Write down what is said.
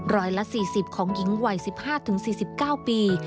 ร้อยละ๔๐ของหญิงวัย๑๕๔๙ปี